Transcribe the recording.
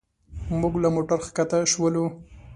موږ له موټر ښکته شولو.